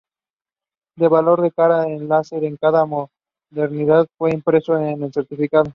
El valor de cara del enlace, en cada modernidad, fue impreso en el certificado.